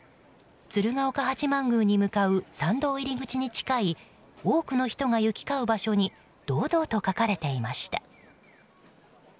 鶴岡八幡宮に向かう参道入り口に近い多くの人が行き交う場所に堂々と描かれていました。